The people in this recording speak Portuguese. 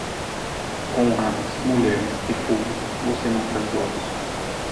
Com armas, mulheres e fogo, você não quer jogos.